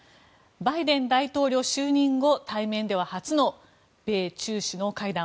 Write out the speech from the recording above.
バイデン就任後対面では初の米中首脳会談。